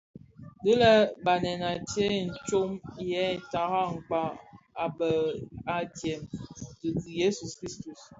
Dii lè Banèn di a tsee tsom yè tara kpag a bheg adyèm dhi Jesu - Kristus.